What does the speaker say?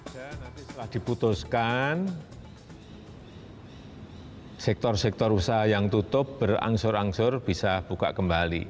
nanti setelah diputuskan sektor sektor usaha yang tutup berangsur angsur bisa buka kembali